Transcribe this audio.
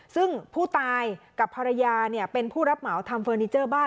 ซึ่งผู้ตายกับภรรยาเป็นผู้รับเหมาทำเฟอร์นิเจอร์บ้าน